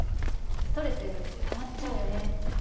「ストレスたまっちゃうよね」。